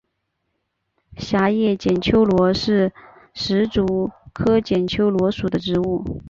狭叶剪秋罗是石竹科剪秋罗属的植物。